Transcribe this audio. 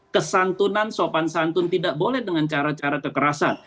kesantunan sopan santun tidak boleh dengan cara cara kekerasan